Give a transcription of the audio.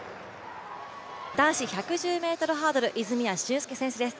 男子１１０ｍハードル、泉谷駿介選手です。